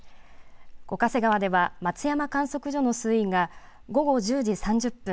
五ヶ瀬川では松山観測所の水位が午後１０時３０分